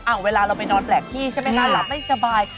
เวลาเราไปนอนแปลกที่ใช่ไหมคะหลับไม่สบาย